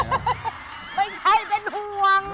ไม่ใช่เป็นห่วง